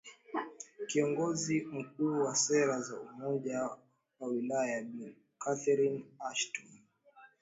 kiongozi mkuu wa sera za umoja wa ulaya bi catherine ashton